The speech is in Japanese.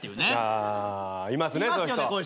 あいますねそういう人。